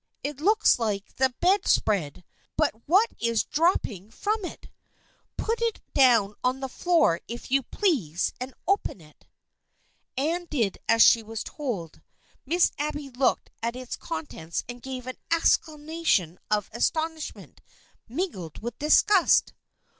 It looks like the bed spread, but what is dropping from it? Put it down on the floor, if you please, and open it." THE FRIENDSHIP OF ANNE 255 Anne did as she was told. Miss Abby looked at its contents and gave an exclamation of aston ishment mingled with disgust.